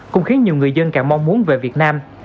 cũng khiến nhiều người dân càng mong muốn về việt nam